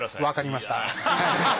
わかりました。